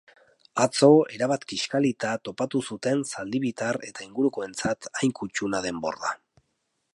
Atzo erabat kixkalita topatu zuten zaldibitar eta ingurukoentzat hain kuttuna den borda.